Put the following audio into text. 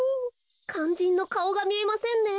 かんじんのかおがみえませんね。